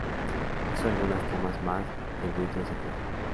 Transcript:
Hizo algunas tomas más y el buitre se fue.